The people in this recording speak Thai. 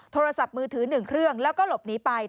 โทรศัพท์มือถือ๑เครื่องแล้วก็หลบหนีไป